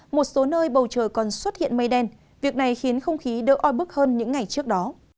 một số nơi bầu trời còn xuất hiện mây đen việc này khiến không khí đỡ oi bức hơn những ngày trước đó